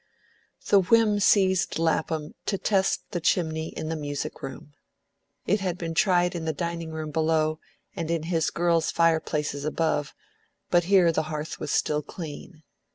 The whim seized Lapham to test the chimney in the music room; it had been tried in the dining room below, and in his girls' fireplaces above, but here the hearth was still clean.